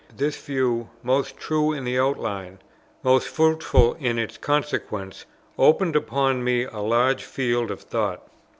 This view, most true in its outline, most fruitful in its consequences, opened upon me a large field of thought.